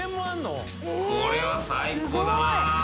これは最高だな。